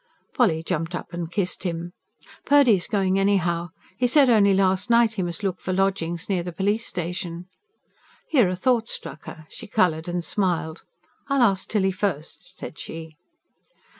Polly jumped up and kissed him. "Purdy is going anyhow. He said only last night he must look for lodgings near the Police Station." Here a thought struck her; she coloured and smiled. "I'll ask Tilly first," said she.